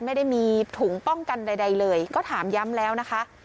ไม่ได้มีถุงป้องกันใดเลยก็ถามย้ำแล้วนะคะ